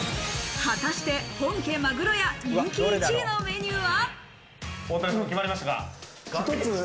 果たして本家鮪屋、人気１位のメニューは。